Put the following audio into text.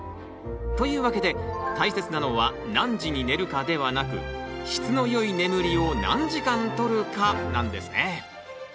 というわけで大切なのは何時に寝るかではなく質の良い眠りを何時間とるかなんですね！